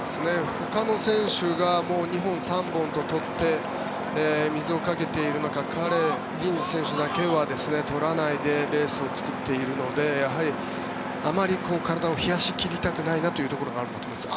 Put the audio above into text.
ほかの選手が２本３本と取って水をかけている中ディニズ選手だけは取らないでレースを作っているのでやはりあまり体を冷やし切りたくないなというところがあるんだと思います。